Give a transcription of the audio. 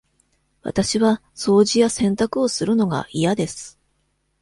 わたしは掃除や洗濯をするのが嫌です。